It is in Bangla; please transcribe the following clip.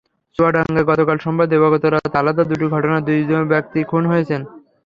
চুয়াডাঙ্গায় গতকাল সোমবার দিবাগত রাতে আলাদা দুটি ঘটনায় দুই ব্যক্তি খুন হয়েছেন।